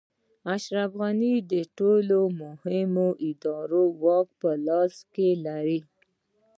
اشرف غني د ټولو مهمو ادارو واک په لاس کې لري.